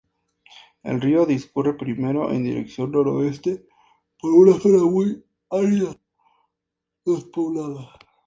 El río discurre primero en dirección noreste, por una zona muy árida casi despoblada.